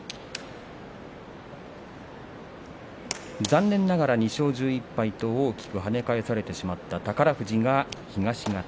残念ながら２勝１１敗と大きく跳ね返されてしまった宝富士が東方。